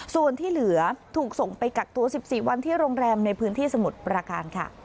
ส่วนที่เหลือถูกส่งไปกักตัว๑๔วันที่โรงแรมในพื้นที่สมุทรประการค่ะ